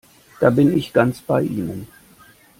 Da bin ich ganz bei Ihnen!